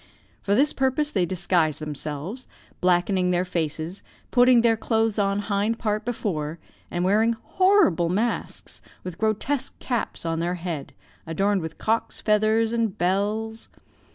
For this purpose they disguise themselves, blackening their faces, putting their clothes on hind part before, and wearing horrible masks, with grotesque caps on their head, adorned with cocks' feathers and bells.